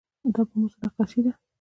دا په مسو نقاشي ده.